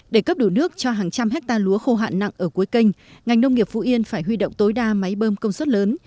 để cấp đủ nước cho hàng trăm hectare lúa khô hạn nặng ở cuối kênh ngành nông nghiệp phú yên phải huy động tối đa máy bơm công suất lớn